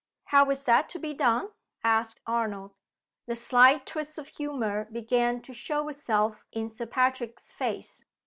"How is that to be done?" asked Arnold. The sly twist of humor began to show itself in Sir Patrick's face.